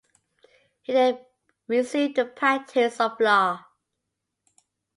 He then resumed the practice of law.